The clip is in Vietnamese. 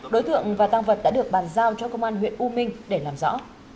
đối tượng và tăng vật đã được bàn giao cho công an huyện u minh để làm rõ